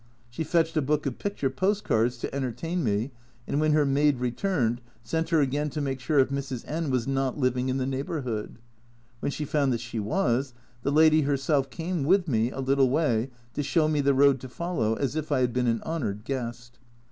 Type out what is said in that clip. She fetched a book of picture post cards to entertain me, and when her maid returned, sent her again to make sure if Mrs. N was not living in the neighbourhood. When she found that she was, the lady herself came with me a little way to show me the road to follow, as if I had been an honoured guest.